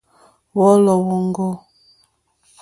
Wɔ̌lɔ̀ wóŋɡô.